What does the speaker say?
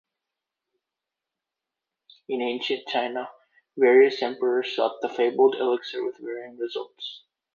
In ancient China, various emperors sought the fabled elixir with varying results.